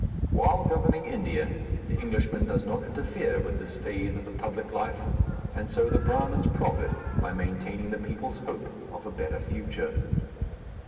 While governing India, the Englishman does not interfere with this phase of the public life, and so the Brahmins profit by maintaining the people's hope of a better future.